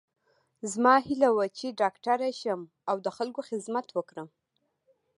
زما هیله وه چې ډاکټره شم او د خلکو خدمت وکړم